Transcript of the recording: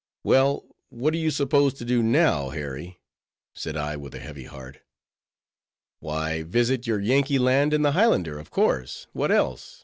"Well, what do you propose to do now, Harry?" said I, with a heavy heart. "Why, visit your Yankee land in the Highlander, of course—what else?"